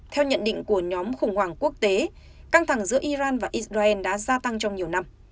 theo nhận định của nhóm khủng hoảng quốc tế căng thẳng giữa iran và israel đã gia tăng trong nhiều năm